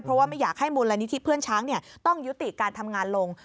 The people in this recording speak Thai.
เพราะว่าไม่อยากให้มูลนิธิเพื่อนช้างต้องยุติการทำงานลง